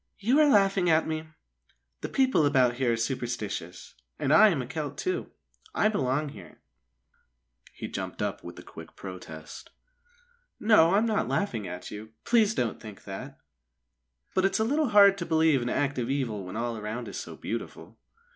"You are laughing at me. The people about here are superstitious, and I am a Celt, too. I belong here." He jumped up with a quick protest. "No, I'm not laughing at you. Please don't think that! But it's a little hard to believe in active evil when all around is so beautiful."